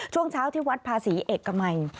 ช่วงเช้าที่วัดภาษีเอกมัย